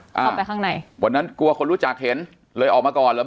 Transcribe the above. เข้าไปข้างในวันนั้นกลัวคนรู้จักเห็นเลยออกมาก่อนแล้ว